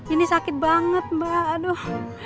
ini sakit banget mbak aduh